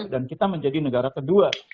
dan kita menjadi negara kedua